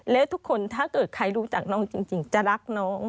แล้วทุกคนถ้าเกิดใครรู้จักน้องจริงจะรักน้อง